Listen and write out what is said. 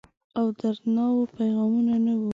او دردڼاوو پیغامونه، نه وه